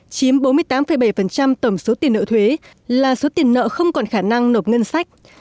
chiếm bốn mươi tám bảy tổng số tiền nợ thuế là số tiền nợ không còn khả năng nộp ngân sách